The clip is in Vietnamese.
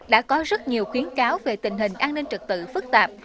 đã có rất nhiều khuyến cáo về tình hình an ninh trật tự phức tạp